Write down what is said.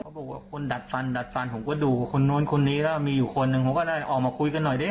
บอกว่าคนดัดฟันดัดฟันผมก็ดูคนนู้นคนนี้แล้วมีอยู่คนหนึ่งผมก็ได้ออกมาคุยกันหน่อยดิ